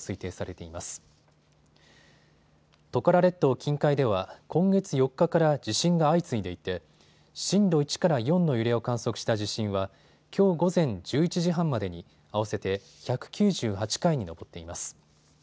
近海では今月４日から地震が相次いでいて震度１から４の揺れを観測した地震はきょう午前１１時半までに合わせて１９８回に上っています。